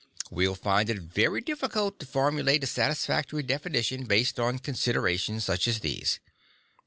We'll find it very difficult to formulate a satisfactory definition based on considerations such as these.